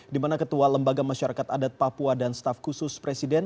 di mana ketua lembaga masyarakat adat papua dan staf khusus presiden